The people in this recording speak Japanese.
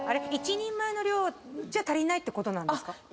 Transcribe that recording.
１人前の量じゃ足りないってことなんですか？